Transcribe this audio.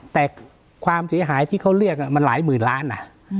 แต่ความเสียหายที่เขาเรียกมันหลายหมื่นล้านนะ